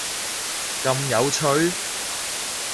咁有趣？！